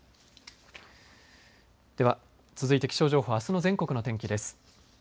では続いて気象情報あすの全国の天気です。